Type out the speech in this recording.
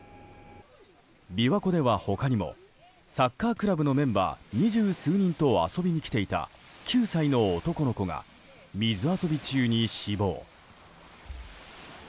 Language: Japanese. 琵琶湖では他にもサッカークラブのメンバー二十数人と遊びに来ていた９歳の男の子が水遊び中に死亡。